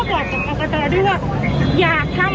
เราพร้อมที่จะออกไปเลือกตั้งแล้วก็บอกกับปรากฏอด้วยว่า